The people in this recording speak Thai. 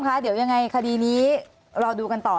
พพพพพพ